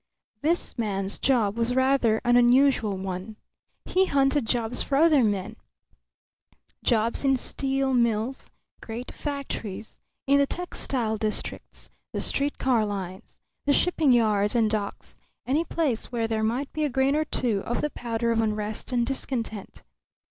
This man's job was rather an unusual one. He hunted jobs for other men jobs in steel mills, great factories, in the textile districts, the street car lines, the shipping yards and docks, any place where there might be a grain or two of the powder of unrest and discontent.